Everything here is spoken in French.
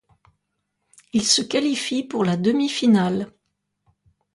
Ils se qualifient pour la demi-finale.